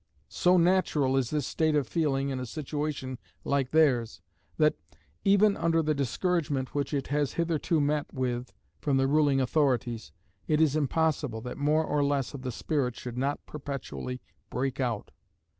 So natural is this state of feeling in a situation like theirs, that, even under the discouragement which it has hitherto met with from the ruling authorities, it is impossible that more or less of the spirit should not perpetually break out.